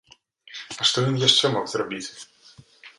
А што ён яшчэ мог зрабіць?